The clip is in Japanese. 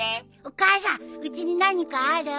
お母さんうちに何かある？